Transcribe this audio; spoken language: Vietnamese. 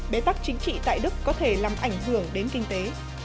bế tắc chính trị tại đức có thể làm ảnh hưởng đến kinh tế